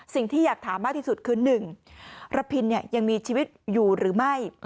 สิ่งที่อยากถามมากที่สุดคือ๑ระพินยังมีชีวิตอยู่หรือไม่